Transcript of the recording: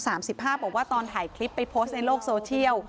บอกว่าตอนถ่ายคลิปไปโพสต์ในโลกโซเชียล